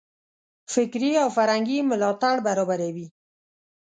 فکري او فرهنګي ملاتړ برابروي.